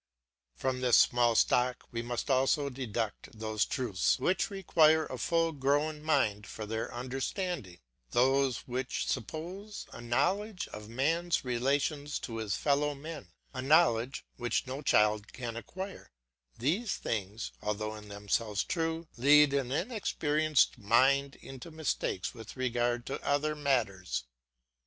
From this small stock we must also deduct those truths which require a full grown mind for their understanding, those which suppose a knowledge of man's relations to his fellow men a knowledge which no child can acquire; these things, although in themselves true, lead an inexperienced mind into mistakes with regard to other matters.